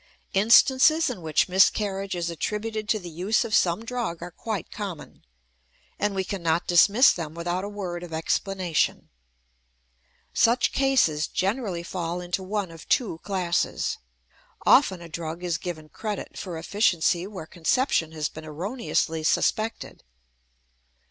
Instances in which miscarriage is attributed to the use of some drug are quite common, and we cannot dismiss them without a word of explanation. Such cases generally fall into one of two classes. Often a drug is given credit for efficiency where conception has been erroneously suspected.